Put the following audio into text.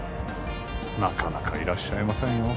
なかなかいらっしゃいませんよ